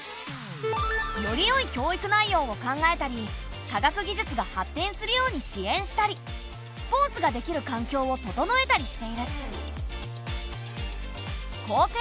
よりよい教育内容を考えたり科学技術が発展するように支援したりスポーツができる環境を整えたりしている。